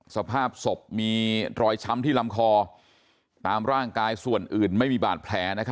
สภาพศพมีรอยช้ำที่ลำคอตามร่างกายส่วนอื่นไม่มีบาดแผล